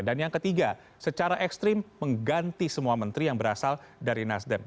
dan yang ketiga secara ekstrim mengganti semua menteri yang berasal dari nasdem